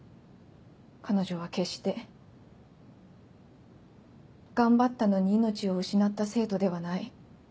彼女は決して頑張ったのに命を失った生徒ではない。